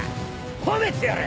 褒めてやる！